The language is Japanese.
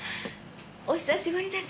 お久しぶりです。